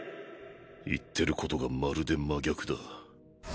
言ってることがまるで真逆だ。